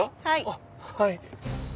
あっはい。